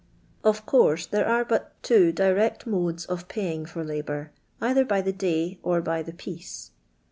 Of course there are but two direct modes of pay ing for labour — either by the day or by the piece.